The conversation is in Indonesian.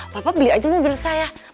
papa beli aja mobil saya